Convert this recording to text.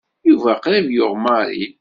Yuba qrib yuɣ Mary.